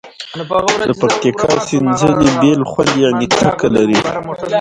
د پکتیکا سینځلي بیل خوند یعني څکه لري.